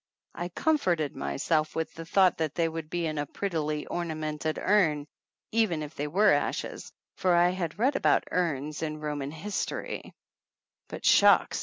I comforted myself with the thought that they would be in a prettily ornamented urn, even if they were ashes, for I had read about urns in Roman history; but 187 THE ANNALS OF ANN shucks